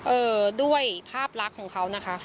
เออด้วยภาพรักของเขานะคะ